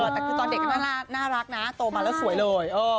แต่คือตอนเด็กก็น่ารักนะโตมาแล้วสวยเลย